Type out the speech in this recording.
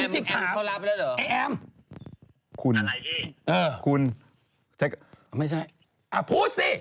จริงถามไอ้แอมคุณคุณไม่ใช่พูดสิ